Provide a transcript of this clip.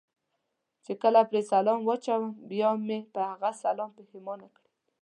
چې کله پرې سلام واچوم بیا مې په هغه سلام پښېمانه کړم.